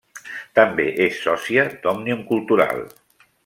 També és sòcia d’Òmnium Cultural.